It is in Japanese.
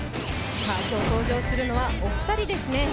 今日、登場するのはお二人ですね。